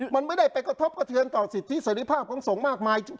มันไม่ได้ไปกระทบกระเทือนต่อสิทธิเสร็จภาพของสงฆ์มากมาย